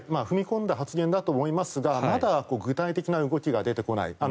踏み込んだ発言だと思いますがまだ具体的な動きが出てこない。